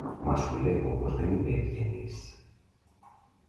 Μα σου λέγω πως δεν είμαι ευγενής